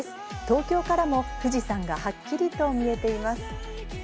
東京からも富士山がはっきりと見えています。